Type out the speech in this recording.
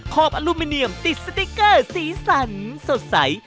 ขอบอลูมิเนียมติดสติ๊กเกอร์สีสันสดใส